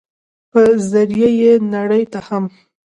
په ذريعه ئې نړۍ ته هم